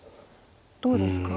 どうですか？